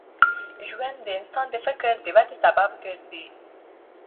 ژوند د انسان د فکر د ودې سبب ګرځي.